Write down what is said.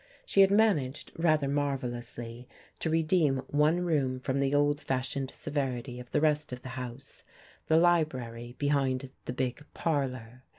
She had managed rather marvellously to redeem one room from the old fashioned severity of the rest of the house, the library behind the big "parlour."